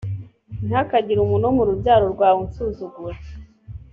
ntihakagire umuntu wo mu rubyaro rwawe unsuzugura